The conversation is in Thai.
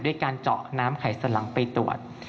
ด้วยการเจาะน้ำไขสลังไปตรวจ